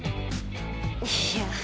いや。